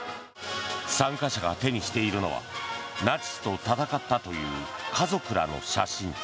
参加者が手にしているのはナチスと戦ったという家族らの写真。